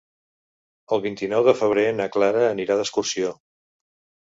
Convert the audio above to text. El vint-i-nou de febrer na Clara anirà d'excursió.